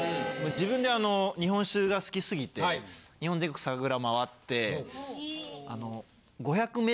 自分で日本酒が好きすぎて日本全国酒蔵まわって。